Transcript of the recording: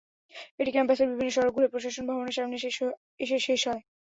এটি ক্যাম্পাসের বিভিন্ন সড়ক ঘুরে প্রশাসন ভবনের সামনে এসে শেষ হয়।